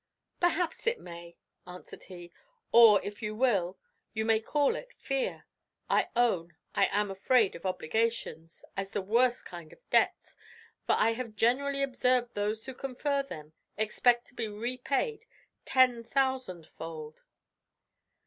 "Perhaps it may," answered he; "or, if you will, you may call it fear. I own I am afraid of obligations, as the worst kind of debts; for I have generally observed those who confer them expect to be repaid ten thousand fold."